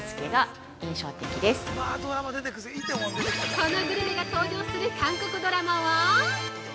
◆このグルメが登場する韓国ドラマは？